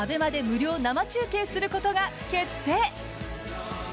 ＡＢＥＭＡで無料生中継することが決定。